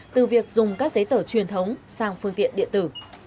từ việc dùng các giấy tờ truyền thống sang phương tiện điện tử